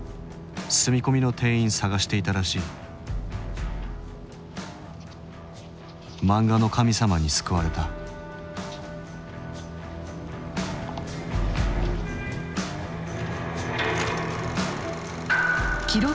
住み込みの店員探していたらしいマンガの神様に救われた記録